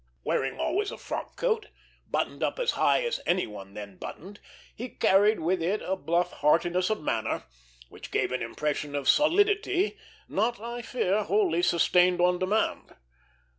Wearing always a frock coat, buttoned up as high as any one then buttoned, he carried with it a bluff heartiness of manner, which gave an impression of solidity not, I fear, wholly sustained on demand.